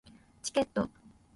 チケット